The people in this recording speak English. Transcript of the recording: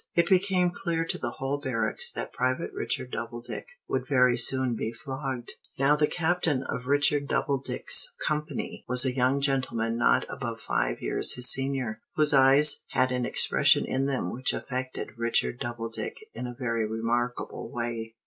It became clear to the whole barracks that Private Richard Doubledick would very soon be flogged. Now the Captain of Richard Doubledick's company was a young gentleman not above five years his senior, whose eyes had an expression in them which affected Private Richard Doubledick in a very remarkable way.